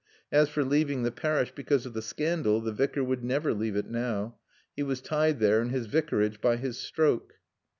As for leaving the parish because of the scandal, the Vicar would never leave it now. He was tied there in his Vicarage by his stroke.